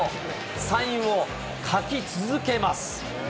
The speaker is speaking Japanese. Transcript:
サインを書き続けます。